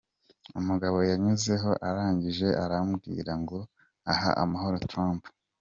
Umugabo yanyuzeho arangije arambwira ngo ‘ha amahoro Trump.